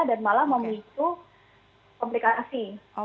dan malah memicu komplikasi